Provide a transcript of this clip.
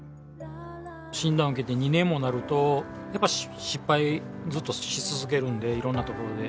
診断受けて２年もなると、やっぱ失敗をずっとし続けるんで、いろんなところで。